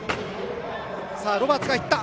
ロバーツがいった。